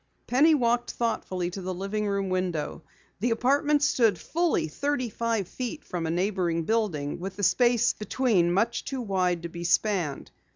Penny walked thoughtfully to the living room window. The apartment stood fully thirty five feet from a neighboring building, with the space between much too wide to be spanned.